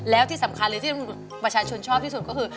แล้วที่สำคัญเลยที่ประชาชนชอบที่สุดก็คือ